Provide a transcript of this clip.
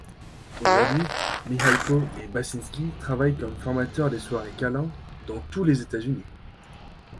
Aujourd’hui, Mihalko et Baczynski travaillent comme formateurs des soirées câlin dans tous les États-Unis.